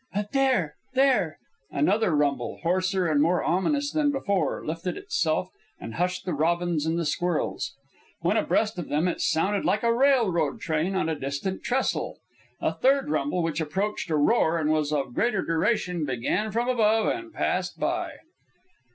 "But there! There!" Another rumble, hoarser and more ominous than before, lifted itself and hushed the robins and the squirrels. When abreast of them, it sounded like a railroad train on a distant trestle. A third rumble, which approached a roar and was of greater duration, began from above and passed by.